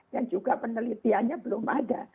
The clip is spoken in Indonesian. dan juga penelitiannya belum ada